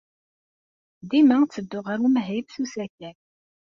Dima ttedduɣ ɣer umahil s usakal.